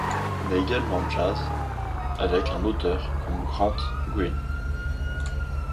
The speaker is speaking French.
Mais également jazz, avec un auteur comme Grant Green.